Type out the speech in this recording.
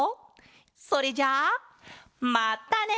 それじゃあまったね！